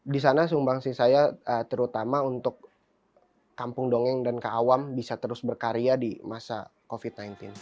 di sana sumbangsi saya terutama untuk kampung dongeng dan keawam bisa terus berkarya di masa covid sembilan belas